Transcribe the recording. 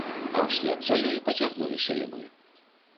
А ўслед за ёй пацягнуліся і мы.